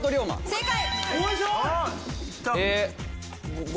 正解。